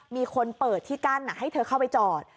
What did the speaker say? มีคนเปิดที่กั้นให้เธอเข้าไปจอด